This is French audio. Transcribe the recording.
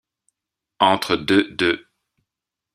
entre deux deux